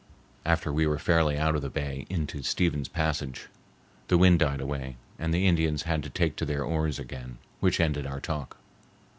After we were fairly out of the bay into Stephens Passage, the wind died away, and the Indians had to take to their oars again, which ended our talk.